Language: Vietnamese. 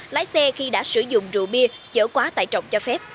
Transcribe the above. lái xe khi đã sử dụng rượu bia chở quá tại trọng cho phép